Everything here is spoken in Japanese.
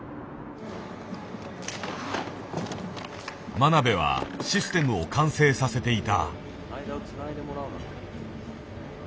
真鍋はシステムを完成させていた。